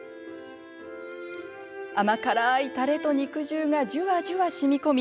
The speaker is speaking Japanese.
甘辛いたれと肉汁がじゅわじゅわ、しみこみ